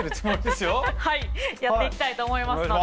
はいやっていきたいと思いますので。